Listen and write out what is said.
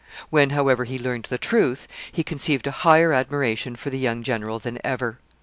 When, however, he learned the truth, he conceived a higher admiration for the young general than ever.